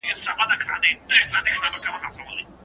زوی به هلته ساعت نه وي پلورلی.